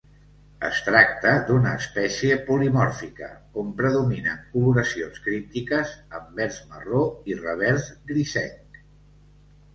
Es tracta d'una espècie polimòrfica, on predominen coloracions críptiques: anvers marró i revers grisenc.